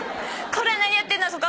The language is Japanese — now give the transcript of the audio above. こら何やってんのそこ！